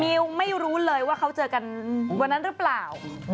ไม่รู้เลยว่าเขาเจอกันวันนั้นหรือเปล่า